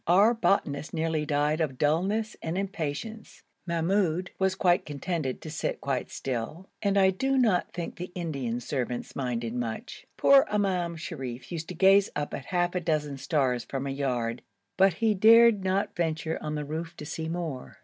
Our botanist nearly died of dulness and impatience; Mahmoud was quite contented to sit quite still, and I do not think the Indian servants minded much. Poor Imam Sharif used to gaze up at half a dozen stars from a yard, but he dared not venture on the roof to see more.